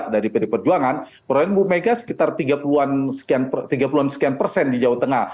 dari perjuangan peron ibu megawati sekitar tiga puluh an sekian persen di jawa tengah